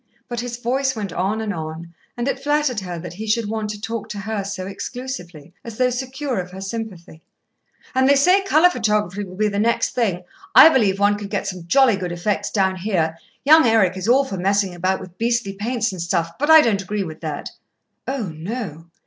But his voice went on and on, and it flattered her that he should want to talk to her so exclusively, as though secure of her sympathy. "... And they say colour photography will be the next thing. I believe one could get some jolly good effects down here. Young Eric is all for messing about with beastly paints and stuff, but I don't agree with that." "Oh, no!"